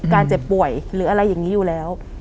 เจ็บป่วยหรืออะไรอย่างนี้อยู่แล้ว